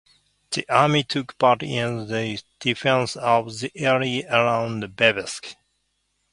The Army took part in the defenses of the area around Babruysk.